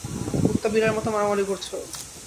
কুত্তা-বিলাইয়ের মতো মারামারি করছো?